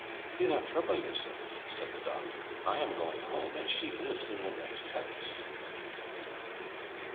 "Do not trouble yourself," said the doctor; "I am going home, and she lives in the next house."